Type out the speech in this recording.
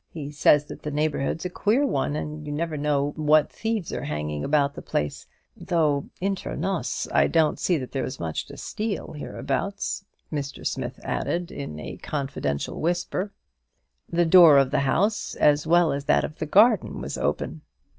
He says that the neighbourhood's a queer one, and you never know what thieves are hanging about the place; though, inter nos, I don't see that there's much to steal hereabouts," Mr. Smith added, in a confidential whisper. The door of the house, as well as that of the garden, was open.